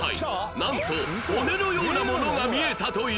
なんと骨のようなものが見えたという